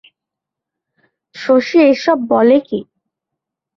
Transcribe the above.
শশী এসব বলে কী!